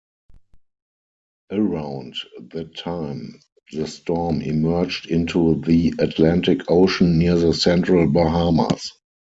Around that time, the storm emerged into the Atlantic Ocean near the central Bahamas.